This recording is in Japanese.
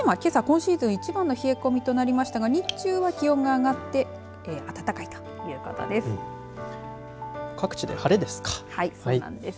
徳島、けさ今シーズン一番の冷え込みとなりましたが日中は気温が上がって暖かいということです。